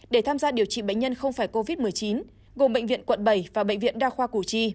để tham gia điều trị bệnh nhân không phải covid một mươi chín gồm bệnh viện quận bảy và bệnh viện đa khoa củ chi